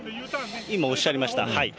今、おっしゃいました。